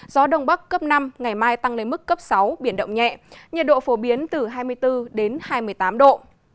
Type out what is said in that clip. gió đông bắc cấp năm ngày mai tăng lên mức cấp sáu biển động nhẹ nhiệt độ phổ biến từ hai mươi bốn đến hai mươi tám độ